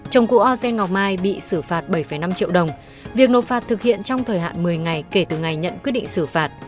chồng cụ azen ngọc mai bị xử phạt bảy năm triệu đồng việc nộp phạt thực hiện trong thời hạn một mươi ngày kể từ ngày nhận quyết định xử phạt